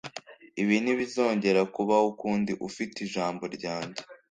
Ibi ntibizongera kubaho ukundi. Ufite ijambo ryanjye.